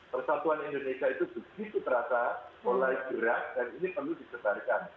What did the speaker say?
persatuan indonesia itu begitu terasa mulai jerak dan ini perlu dibesarkan